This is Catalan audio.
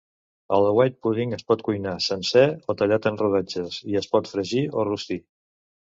El white pudding es pot cuinar sencer o tallat en rodanxes, i es pot fregir o rostir.